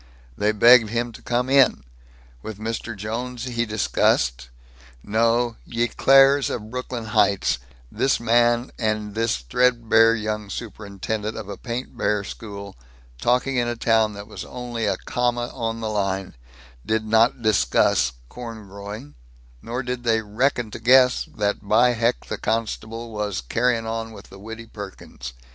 They begged him to come in. With Mr. Jones he discussed no, ye Claires of Brooklyn Heights, this garage man and this threadbare young superintendent of a paintbare school, talking in a town that was only a comma on the line, did not discuss corn growing, nor did they reckon to guess that by heck the constabule was carryin' on with the Widdy Perkins.